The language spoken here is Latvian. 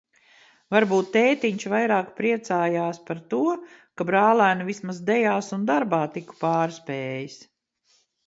Varbūt tētiņš vairāk priecājās par to, ka brālēnu vismaz dejās un darbā tiku pārspējis.